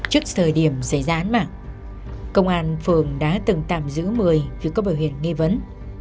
trước thời điểm xảy ra án mạng công an phường đã từng tạm giữ một mươi vì có biểu hiện nghi vấn